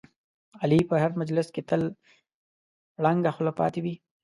علي په هر مجلس کې تل ړنګه خوله پاتې وي.